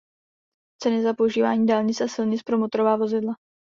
Ceny za používání dálnic a silnic pro motorová vozidla.